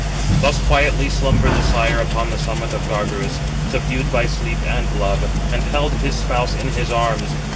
Thus quietly slumbered the sire upon the summit of Gargarus, subdued by sleep and love, and held his spouse in his arms.